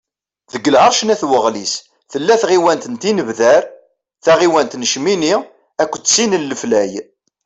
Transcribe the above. Deg lεerc n At Waɣlis, tella tɣiwant n Tinebdar, taɣiwant n Cmini, akked tin n Leflay.